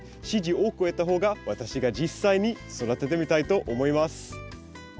支持を多く得た方が私が実際に育ててみたいと思います。